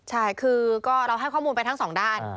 ใช่คือก็เราให้ข้อมูลไปทั้งสองด้าน